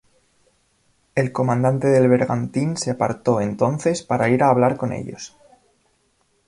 El comandante del bergantín se apartó entonces, para ir a hablar con ellos.